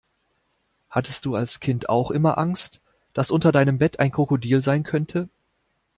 Hattest du als Kind auch immer Angst, dass unter deinem Bett ein Krokodil sein könnte?